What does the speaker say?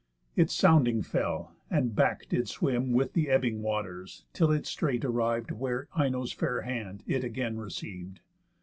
It sounding fell, and back did swim With th' ebbing waters, till it straight arriv'd Where Ino's fair hand it again receiv'd.